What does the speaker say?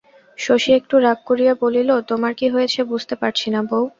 শশী একটু রাগ করিয়া বলিল, তোমার কী হয়েছে বুঝতে পারছি না বৌ।